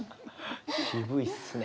渋いっすね。